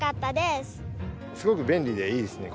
すごく便利でいいですね。